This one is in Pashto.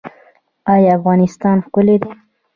آیا افغانستان ښکلی دی؟